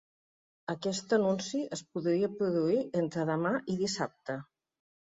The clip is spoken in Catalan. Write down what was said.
Aquest anunci es podria produir entre demà i dissabte.